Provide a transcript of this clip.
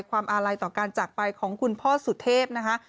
อาลัยต่อการจากไปของคุณพ่อสุเทพนะคะ